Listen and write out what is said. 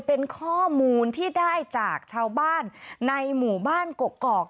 เป็นข้อมูลที่ได้จากชาวบ้านในหมู่บ้านกกอก